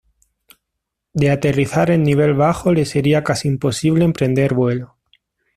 De aterrizar en nivel bajo le sería casi imposible emprender vuelo.